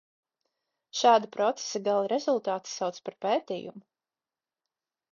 Šāda procesa gala rezultātu sauc par pētījumu.